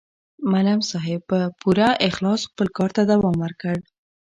معلم صاحب په پوره اخلاص خپل کار ته دوام ورکړ.